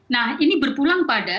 nah ini berpulang pada